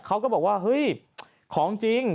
เขาก็บอกว่าเฮ้ยของจริง